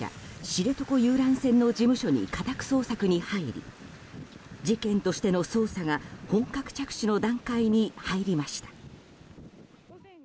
知床遊覧船の事務所に家宅捜索に入り事件としての捜査が本格着手の段階に入りました。